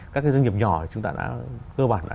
các cái doanh nghiệp nhỏ chúng ta đã cơ bản đã